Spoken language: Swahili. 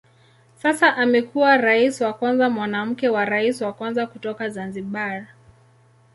Sasa amekuwa rais wa kwanza mwanamke na rais wa kwanza kutoka Zanzibar.